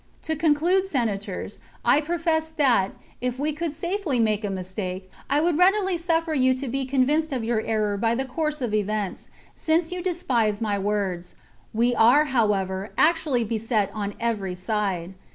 To conclude. Senators, I profess that, if we could safely make a mistake, I would readily suffer you to be convinced of your error by the course of events, since you despise my words. We are, however, actu ally beset on every side.